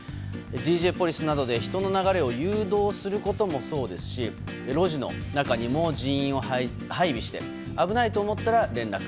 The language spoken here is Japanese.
ＤＪポリスなどで人の流れを誘導することもそうですし路地の中にも人員を配備して危ないと思ったら連絡。